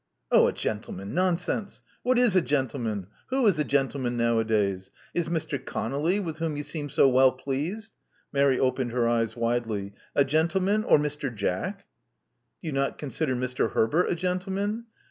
"Oh, a gentleman! Nonsense! What is a gentle man? Who is a gentleman nowadays? Is Mr. ConoUy, with whom you seem so well pleased" (Mary opened her eyes widely) "a gentleman? Or Mr. Jack?" "Do you not consider Mr. Herbert a gentleman?"